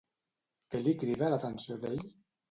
Què li crida l'atenció d'ell?